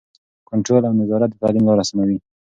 کنټرول او نظارت د تعلیم لاره سموي.